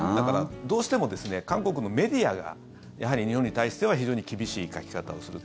どうしても韓国のメディアがやはり日本に対しては非常に厳しい書き方をすると。